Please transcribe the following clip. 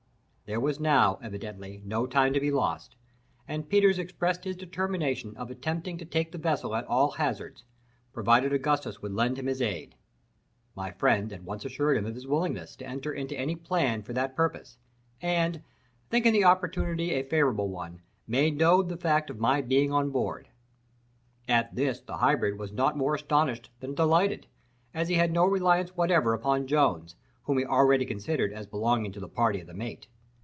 There was now, evidently, no time to be lost, and Peters expressed his determination of attempting to take the vessel at all hazards, provided Augustus would lend him his aid. My friend at once assured him of his willingness to enter into any plan for that purpose, and, thinking the opportunity a favourable one, made known the fact of my being on board. At this the hybrid was not more astonished than delighted, as he had no reliance whatever upon Jones, whom he already considered as belonging to the party of the mate.